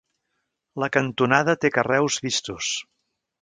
La cantonada té carreus vistos.